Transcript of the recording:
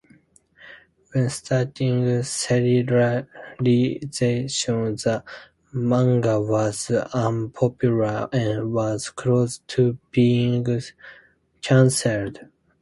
When starting serialization the manga was unpopular and was close to being cancelled.